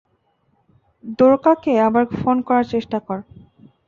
দ্বোরকাকে আবার ফোন করার চেষ্টা কর।